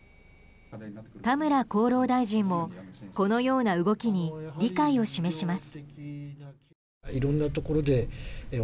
田村厚労大臣もこのような動きに理解を示します。